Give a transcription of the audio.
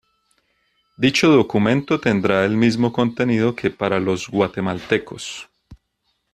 Dicho documento tendrá el mismo contenido que para los guatemaltecos.